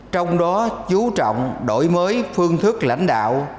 trong đó chú trọng đổi mới phương thức lãnh đạo